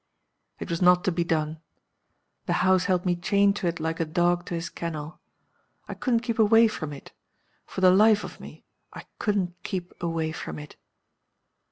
It was not to be done The house held me chained to it like a dog to his kennel. I couldn't keep away from it. For the life of me, I couldn't keep away from it.